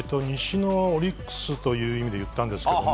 オリックスという意味で言ったんですけども